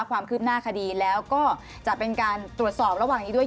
ความคืบหน้าคดีแล้วก็จะเป็นการตรวจสอบระหว่างนี้ด้วย